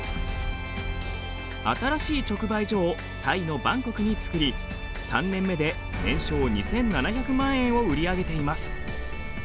新しい直売所をタイのバンコクに作り３年目で年商２，７００万円を売り上げています。